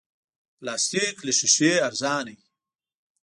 پلاستيک له شیشې ارزانه وي.